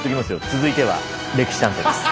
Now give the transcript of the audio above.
「続いては『歴史探偵』です」。